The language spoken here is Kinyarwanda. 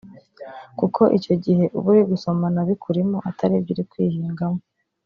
kuko icyo gihe uba uri gusomana bikurimo atari ibyo uri kwihingamo